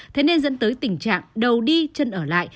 thế nên dẫn tới tình trạng đầu đi chân ở lại